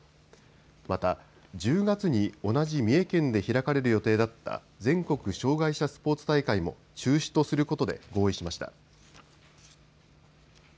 また１０月に同じ三重県で開かれる予定だった全国障害者スポーツ大会も中止とすることで合意しました。